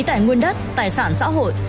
tài nguyên đất tài sản xã hội